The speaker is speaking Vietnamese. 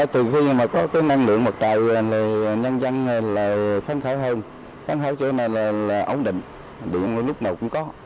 từ khi có năng lượng mặt trời nhân dân phát triển hơn phát triển chỗ này ổn định điện lúc nào cũng có